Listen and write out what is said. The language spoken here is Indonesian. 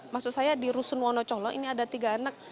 maksud saya di rusun wonocolo ini ada tiga anak